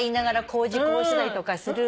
こうしてたりとかする。